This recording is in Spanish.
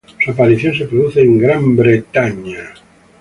Su aparición se produce en Gran Bretaña.